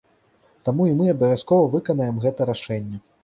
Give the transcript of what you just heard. Таму і мы абавязкова выканаем гэтае рашэнне.